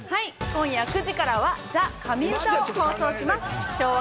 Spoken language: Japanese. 今夜９時からは『ＴＨＥ神うた』を放送します。